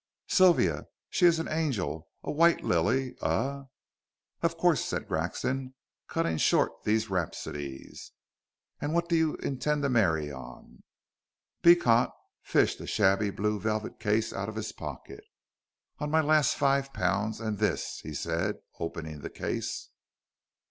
"Sylvia. She is an angel, a white lily, a " "Of course," said Grexon, cutting short these rhapsodies. "And what do you intend to marry on?" Beecot fished a shabby blue velvet case out of his pocket. "On my last five pounds and this," he said, opening the case.